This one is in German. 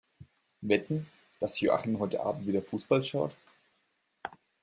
Wetten, dass Joachim heute Abend wieder Fussball schaut?